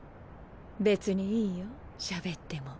別にいいよしゃべっても。